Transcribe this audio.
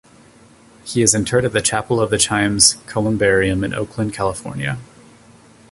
He is interred at the Chapel of the Chimes columbarium in Oakland, California.